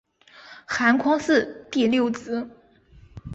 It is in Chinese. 韩匡嗣第六子。